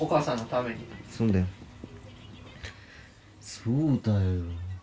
そうだよ。